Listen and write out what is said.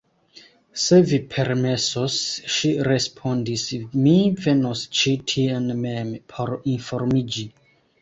Se vi permesos, ŝi respondis, mi venos ĉi tien mem, por informiĝi.